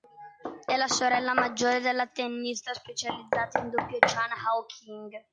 È la sorella maggiore della tennista specializzata in doppio Chan Hao-ching.